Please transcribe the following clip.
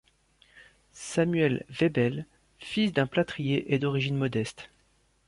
Samuel Weibel, fils d'un plâtrier, est d'origine modeste.